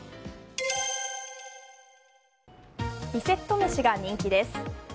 リセット飯が人気です。